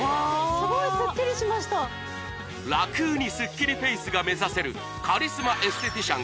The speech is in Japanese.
すごいスッキリしました楽にスッキリフェイスが目指せるカリスマエステティシャン